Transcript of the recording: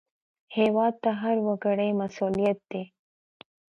هېواد د هر وګړي مسوولیت دی